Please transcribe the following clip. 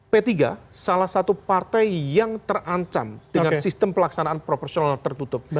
p tiga salah satu partai yang terancam dengan sistem pelaksanaan proporsional tertutup